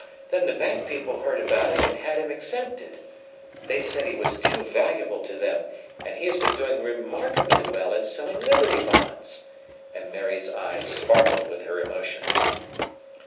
Then the bank people heard about it and had him exempted. They said he was too valuable to them, and he has been doing remarkably well in selling Liberty Bonds!" and Mary's eyes sparkled with her emotions.